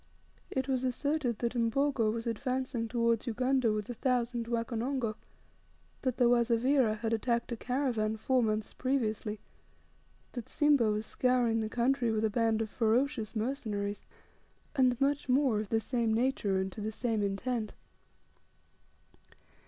It was asserted that Mbogo was advancing towards Ugunda with a thousand Wakonongo, that the Wazavira had attacked a caravan four months previously, that Simba was scouring the country with a band of ferocious mercenaries, and much more of the same nature and to the same intent.